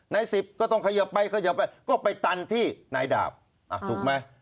ใน๑๐ก็ต้องขยบไปขยบไปก็ไปตันที่ไหนดาบถูกไหม